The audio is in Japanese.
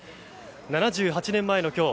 ７８年前の今日